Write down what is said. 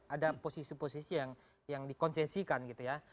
ada posisi posisi yang dikonsesikan gitu ya